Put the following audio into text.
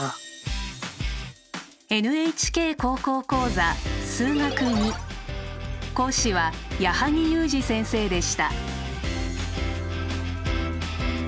「ＮＨＫ高校講座数学Ⅱ」講師は矢作裕滋先生でした。